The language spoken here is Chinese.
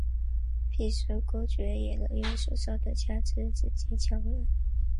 平时公爵也能用手上的枪枝直接敲人。